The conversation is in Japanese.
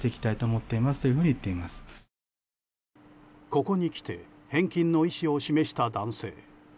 ここにきて返金の意思を示した男性。